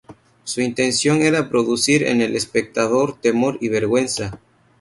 Su intención era producir en el espectador "temor y vergüenza".